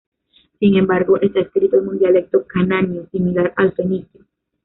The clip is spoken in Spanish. Sin embargo, está escrito en un dialecto cananeo similar al fenicio.